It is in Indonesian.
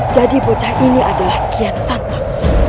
jadi bocah ini adalah kian santok